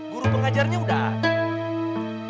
guru pengajarnya udah ada